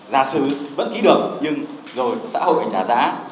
giả sử vẫn ký được nhưng rồi xã hội phải trả giá